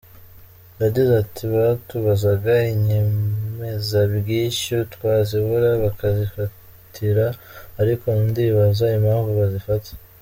Yagize ati “Batubazaga inyemezabwishyu twazibura bakazifatira ariko ndibaza impamvu bazifata.